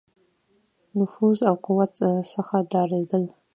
نفوذ او قوت څخه ډارېدل.